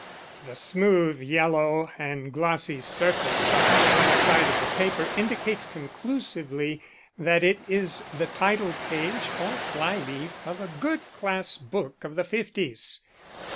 "The smooth yellow, and glossy surface of the blank side of the paper indicates conclusively that it is the title page or fly leaf of a good class book of the fifties.